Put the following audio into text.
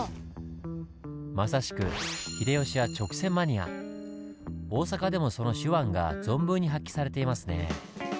まさしく秀吉は大阪でもその手腕が存分に発揮されていますね。